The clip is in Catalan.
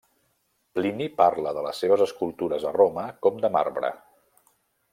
Plini parla de les seves escultures a Roma com de marbre.